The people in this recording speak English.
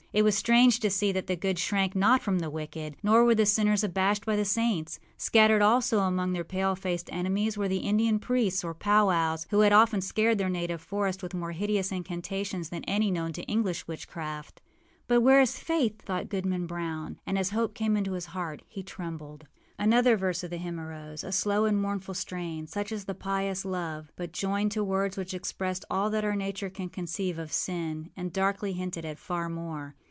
It was strange to see that the good shrank not from the wicked, nor were the sinners abashed by the saints. Scattered also among their pale faced enemies were the Indian priests, or powwows, who had often scared their native forest with more hideous incantations than any known to English witchcraft. âBut where is Faith?â thought Goodman Brown; and, as hope came into his heart, he trembled. Another verse of the hymn arose, a slow and mournful strain, such as the pious love, but joined to words which expressed all that our nature can conceive of sin, and darkly hinted at far more.